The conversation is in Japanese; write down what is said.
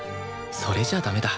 それじゃあダメだ。